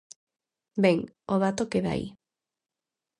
Ben, o dato queda aí.